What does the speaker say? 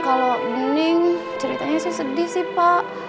kalau bening ceritanya sih sedih sih pak